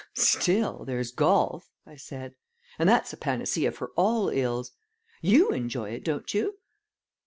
"Still, there's golf!" I said; "and that's a panacea for all ills. YOU enjoy it, don't you?"